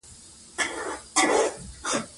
ځمکنی شکل د افغانستان یوه طبیعي ځانګړتیا ده.